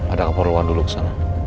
ada keperluan dulu kesana